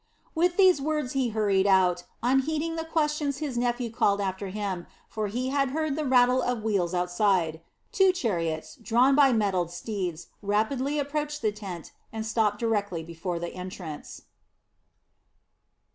With these words he hurried out, unheeding the questions his nephew called after him; for he had heard the rattle of wheels outside. Two chariots, drawn by mettled steeds, rapidly approached the tent and stopped directly before the entrance.